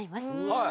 はい。